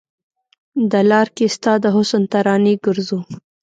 د لار کې ستا د حسن ترانې ګرځو